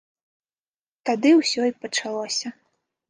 Тады ўсё і пачалося.